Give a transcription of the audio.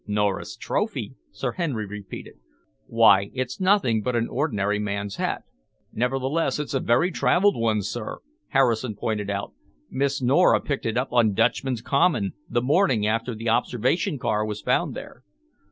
"Nora's trophy?" Sir Henry repeated. "Why, it's nothing but an ordinary man's hat." "Nevertheless, it's a very travelled one, sir," Harrison pointed out. "Miss Nora picked it up on Dutchman's Common, the morning after the observation car was found there."